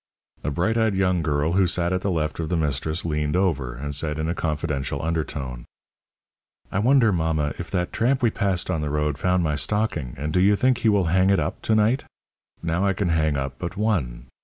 A bright eyed young girl who sat at the left of the mistress leaned over, and said in a confidential undertone: "I wonder, mamma, if that tramp we passed on the road found my stocking, and do you think he will hang it up to night? Now I can hang up but one.